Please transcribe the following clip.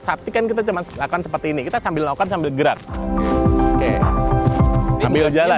sapi kan kita cuma lakukan seperti ini kita sambil lakukan sambil gerak ambil jalan